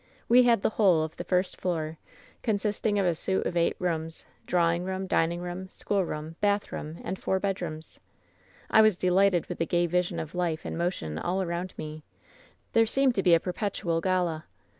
"We had the whole of the first floor, consisting of a suit of eight rooms — drawing room, dining room, school room, bathroom and four bedrooms. "I was delighted with the gay vision of life and motion all around me ; there seemed to be a perpetual gala.